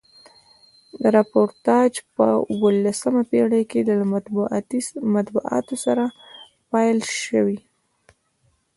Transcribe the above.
راپورتاژپه اوولسمه پیړۍ کښي له مطبوعاتو سره پیل سوی.